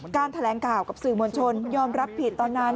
การแถลงข่าวกับสื่อมวลชนยอมรับผิด